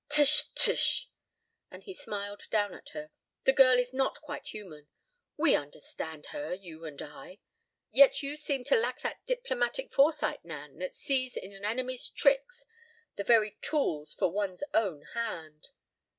"Tush—tush," and he smiled down at her, "the girl is not quite human. We understand her, you—and I. Yet you seem to lack that diplomatic foresight, Nan, that sees in an enemy's tricks—the very tools for one's own hand."